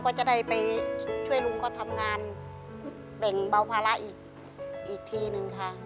ก็จะได้ไปช่วยลุงเขาทำงานแบ่งเบาภาระอีกทีนึงค่ะ